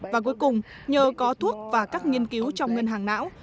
và cuối cùng nhờ có thuốc và các nghiên cứu trong ngân hàng não